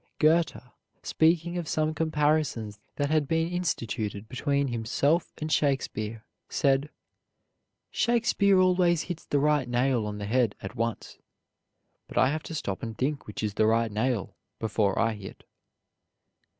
Goethe, speaking of some comparisons that had been instituted between himself and Shakespeare, said: "Shakespeare always hits the right nail on the head at once; but I have to stop and think which is the right nail, before I hit."